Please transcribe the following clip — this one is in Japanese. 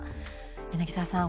柳澤さん